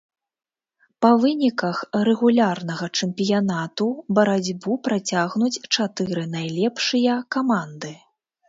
Па выніках рэгулярнага чэмпіянату барацьбу працягнуць чатыры найлепшыя каманды.